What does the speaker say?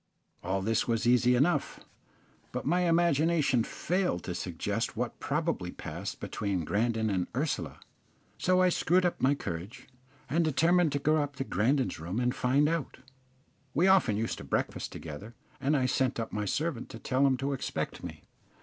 All this was easy enough, but my imagination failed to suggest what probably passed between Grandon and Ursula; so I screwed up my courage and determined to go up to Grandon's room and find out We often used to breakfast together, and I sent up my servant to tell him to expect me.